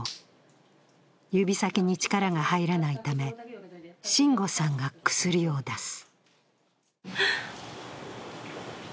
指先に力が入らないため真悟さんが薬を出す。